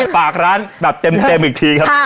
ฝากร้านแบบเต็มอีกทีครับ